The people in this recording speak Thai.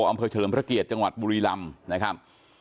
องค์เฉินพระเกียรติจังหวัดบูรีลำนะครับ